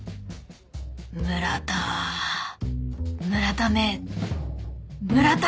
村田村田め村田！